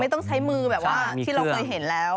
ต้องใช้มือแบบว่าที่เราเคยเห็นแล้ว